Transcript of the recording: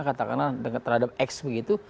katakanlah terhadap x begitu